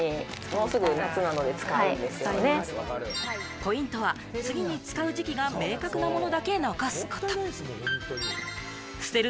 ポイントは、次に使う時期が明確なものだけ残すこと。